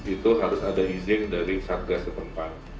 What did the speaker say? itu harus ada izin dari satgas setempat